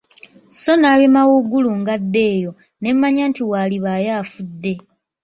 Sso nnalabye mawuugulu ng'adda eyo, ne mmanya nti waalibaayo afudde.